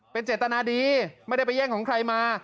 เป็นเจตนาดีไม่ได้ไปแย่งของใครมา